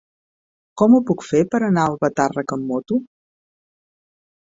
Com ho puc fer per anar a Albatàrrec amb moto?